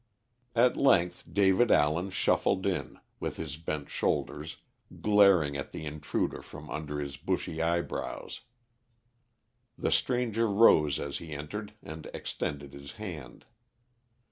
At length David Allen shuffled in, with his bent shoulders, glaring at the intruder from under his bushy eyebrows. The stranger rose as he entered and extended his hand.